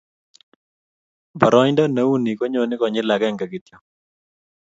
Boroindo ne u ni ko nyoni konyil akenge kityo